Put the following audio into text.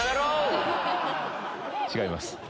違います。